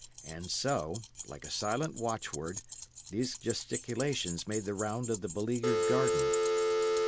And so, like a silent watch word, these gesticulations made the round of the beleaguered garden.